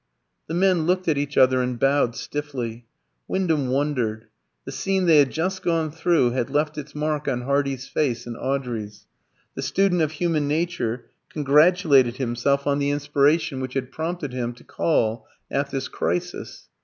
The men looked at each other and bowed stiffly. Wyndham wondered. The scene they had just gone through had left its mark on Hardy's face and Audrey's. The student of human nature congratulated himself on the inspiration which had prompted him to call at this crisis.